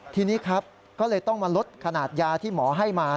ทีนี้ครับก็เลยต้องมาลดขนาดยาที่หมอให้มา